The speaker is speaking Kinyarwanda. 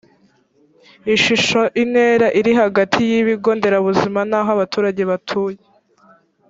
ishusho intera iri hagati y ibigo nderabuzima n aho abaturage batuye